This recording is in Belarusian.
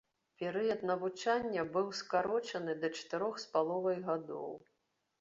Перыяд навучання быў скарочаны да чатырох з паловай гадоў.